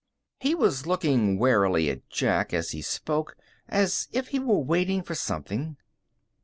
He was looking warily at Jack as he spoke, as if he were waiting for something.